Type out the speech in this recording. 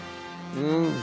うん。